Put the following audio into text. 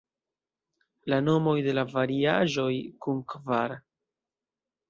La nomoj de variaĵoj kun kvar.